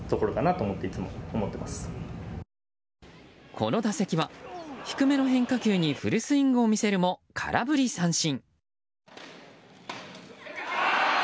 この打席は低めの変化球にフルスイングを見せるも空振り三振。